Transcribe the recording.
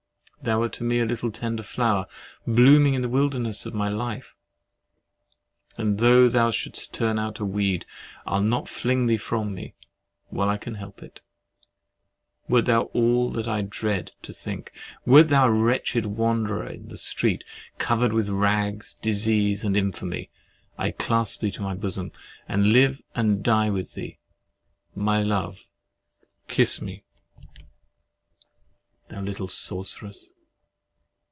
Thou wert to me a little tender flower, blooming in the wilderness of my life; and though thou should'st turn out a weed, I'll not fling thee from me, while I can help it. Wert thou all that I dread to think—wert thou a wretched wanderer in the street, covered with rags, disease, and infamy, I'd clasp thee to my bosom, and live and die with thee, my love. Kiss me, thou little sorceress!